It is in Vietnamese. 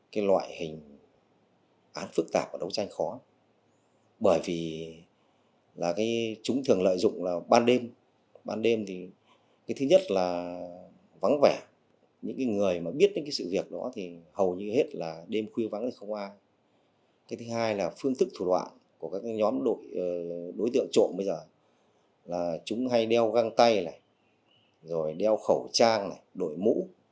cái thứ hai là phương thức thủ đoạn của các nhóm đối tượng trộm bây giờ là chúng hay đeo găng tay này rồi đeo khẩu trang này đổi mũ